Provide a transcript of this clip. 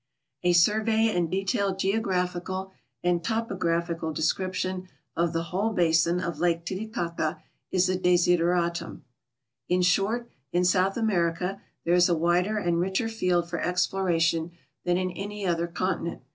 A survey and detailed geographical and topographical description of the whole basin of I ake Titi caca is a desideratum. In short, in South America there is a wider and richer field for exploration than in any other continent.